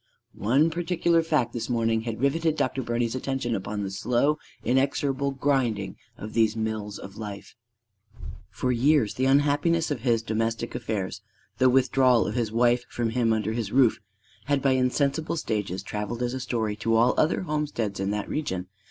One particular fact this morning had riveted Dr. Birney's attention upon the slow inexorable grinding of these mills of life. For years the unhappiness of his domestic affairs the withdrawal of his wife from him under his roof had by insensible stages travelled as a story to all other homesteads in that region.